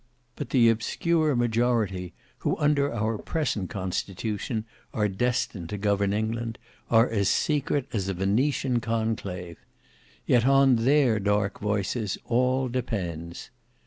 But the obscure majority, who under our present constitution are destined to govern England, are as secret as a Venetian conclave. Yet on their dark voices all depends.